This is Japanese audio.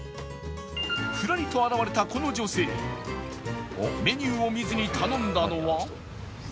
ふらりと現れたこの女性メニューを見ずに頼んだのは